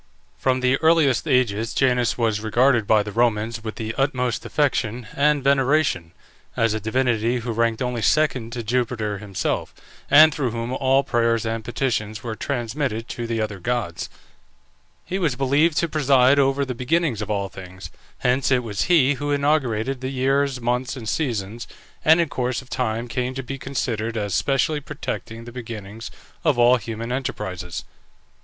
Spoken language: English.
From the earliest ages Janus was regarded by the Romans with the utmost affection and veneration, as a divinity who ranked only second to Jupiter himself, and through whom all prayers and petitions were transmitted to the other gods. He was believed to preside over the beginnings of all things, hence it was he who inaugurated the years, months, and seasons, and in course of time came to be considered as specially protecting the beginnings of all human enterprises.